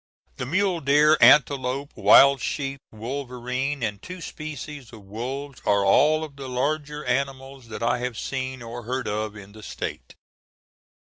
The mule deer, antelope, wild sheep, wolverine, and two species of wolves are all of the larger animals that I have seen or heard of in the State.